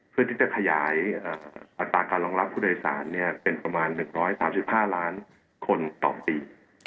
เพื่อที่จะขยายอัตราการรองรับผู้โดยสารเป็นประมาณ๑๓๕ล้านคนต่อปี